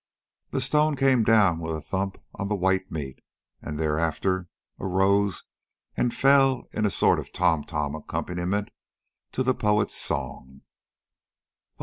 The stone came down with a thump on the white meat, and thereafter arose and fell in a sort of tom tom accompaniment to the poet's song: "Oh!